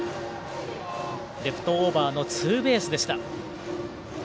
レフトオーバーのツーベースでした。